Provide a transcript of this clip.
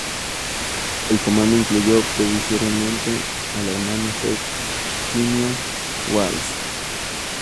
El comando incluyó provisoriamente al hermano Septimio Walsh.